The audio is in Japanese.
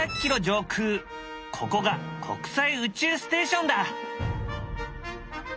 上空ここが国際宇宙ステーションだ。